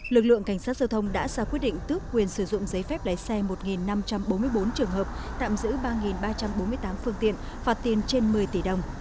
lực lượng cảnh sát giao thông đã ra quyết định tước quyền sử dụng giấy phép lấy xe một năm trăm bốn mươi bốn trường hợp tạm giữ ba ba trăm bốn mươi tám phương tiện phạt tiền trên một mươi tỷ đồng